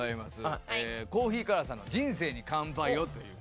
コーヒーカラーさんの『人生に乾杯を！』という曲。